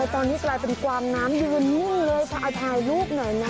ตอนนี้กลายเป็นกวางน้ำอยู่นี่เลยถ่ายถ่ายลูกหน่อยนะ